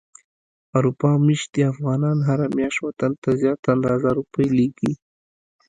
اروپا ميشتي افغانان هره مياشت وطن ته زياته اندازه روپی ليږي.